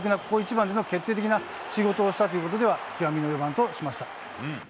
ここ一番での決定的な仕事をしたということでは極みの４番としました。